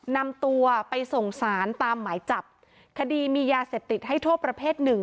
นำตัวไปส่งสารตามหมายจับคดีมียาเสพติดให้โทษประเภทหนึ่ง